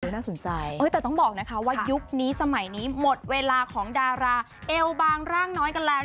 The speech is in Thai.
น่าสนใจแต่ต้องบอกนะคะว่ายุคนี้สมัยนี้หมดเวลาของดาราเอลบางร่างน้อยกันแล้ว